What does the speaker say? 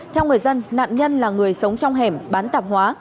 theo người dân nạn nhân là người sống trong hẻm bán tạp hóa